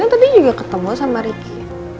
dina tadi juga ketemu sama riki